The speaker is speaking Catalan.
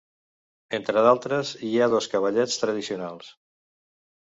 Entre d'altres, hi ha dos cavallets tradicionals.